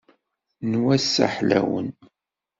N wass-a ḥlawen.